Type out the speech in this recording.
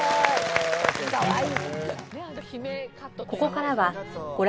かわいい。